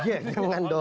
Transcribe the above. iya jangan dong